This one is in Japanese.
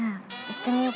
行ってみる？